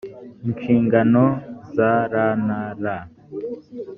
inshingano za rnra